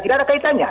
tidak ada kaitannya